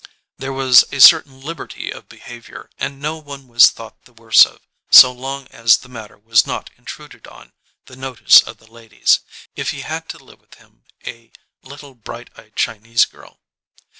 There was a certain liberty of behaviour and no one was thought the worse of, so long as the matter was not intruded on the notice of the ladies, if he had to live with him a little bright eyed Chinese girl.